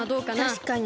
たしかに。